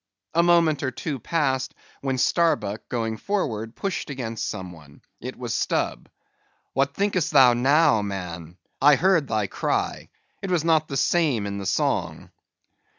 A moment or two passed, when Starbuck, going forward, pushed against some one. It was Stubb. "What thinkest thou now, man; I heard thy cry; it was not the same in the song."